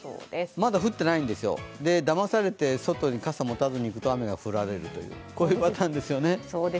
まだ降ってないんですよ、だまされて外に傘を持たずに出ると雨に降られるというパターンですよね。